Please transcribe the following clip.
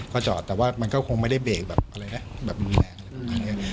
เขาจอดแต่ว่ามันก็คงไม่ได้เบรกแบบอะไรนะแบบมีแรงอืม